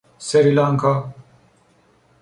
سریلانکا